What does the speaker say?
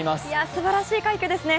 すばらしい快挙ですね。